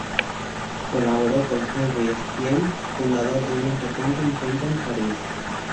Colaboró con Henri Estienne, fundador de una importante imprenta en París.